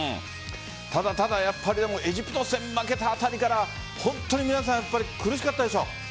ただ、エジプト戦負けたあたりから皆さん、苦しかったでしょう？